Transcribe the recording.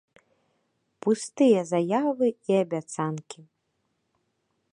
Пустыя заявы і абяцанкі.